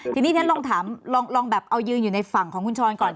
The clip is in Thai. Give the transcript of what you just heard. ทีนี้ฉันลองถามลองแบบเอายืนอยู่ในฝั่งของคุณช้อนก่อน